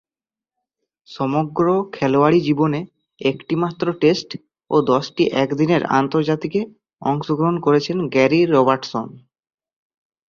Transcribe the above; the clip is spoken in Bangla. সমগ্র খেলোয়াড়ী জীবনে একটিমাত্র টেস্ট ও দশটি একদিনের আন্তর্জাতিকে অংশগ্রহণ করেছেন গ্যারি রবার্টসন।